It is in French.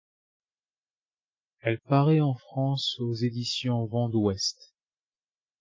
Elle paraît en France aux éditions Vents d'Ouest.